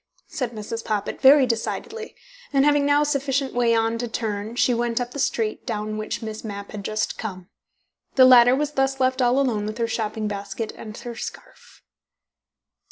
"Nothing," said Mrs. Poppit very decidedly, and having now sufficient way on to turn, she went up the street down which Miss Mapp had just come. The latter was thus left all alone with her shopping basket and her scarf.